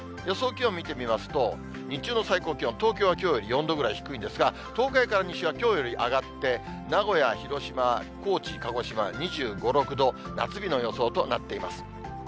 気温を見てみますと、日中の最高気温、東京はきょうより４度ぐらい低いんですが、東海から西はきょうより上がって、名古屋、広島、高知、鹿児島は２５、６度、夏日の予想となっています。